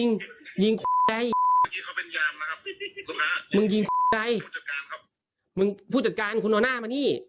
โอ้โหมึงยิงยิงไอ้มึงยิงมึงผู้จัดการคุณหน้ามานี่